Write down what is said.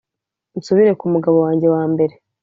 nsubire ku mugabo wanjye wa mbere